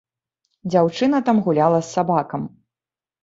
Дзяўчына там гуляла з сабакам.